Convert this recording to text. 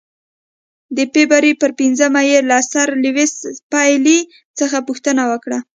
د فبرورۍ پر پنځمه یې له سر لیویس پیلي څخه پوښتنه وکړه.